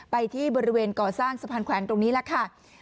ไปที่บริเวณก่อสร้างสะพานแขวนตรงนี้แหละค่ะ